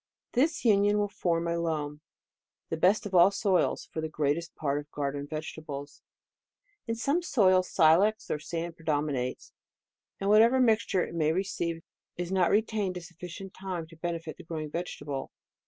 This uni on will form a loam, the best of all soils for the greatest part of garden vegetables, In some soi!s, silex or sand predominates, and whatever moisture it may receive is not retained a sufficient time to benefit the grow ing vegetable.